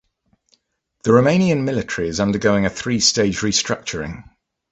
The Romanian military is undergoing a three-stage restructuring.